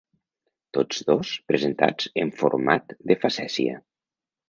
Tots dos presentats en format de facècia.